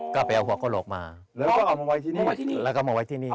ก็ไปเอาหัวเข้าหลกมาแล้วก็เอามาไว้ที่นี่